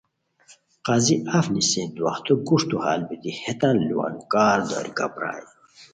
قاضی اف نیسی دُواہتو گوُݯتو ہال بیتی ہیتان لوُان کار داریکا پرائے